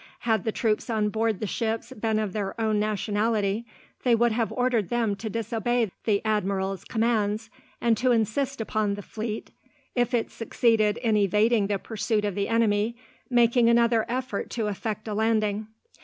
Had the troops on board the ships been of their own nationality, they would have ordered them to disobey the admiral's commands, and to insist upon the fleet, if it succeeded in evading the pursuit of the enemy, making another effort to effect a landing.